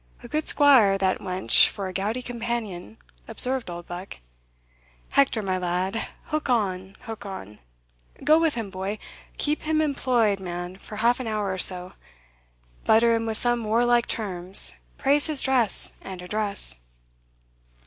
"A good squire that wench for a gouty champion," observed Oldbuck. "Hector, my lad, hook on, hook on Go with him, boy keep him employed, man, for half an hour or so butter him with some warlike terms praise his dress and address."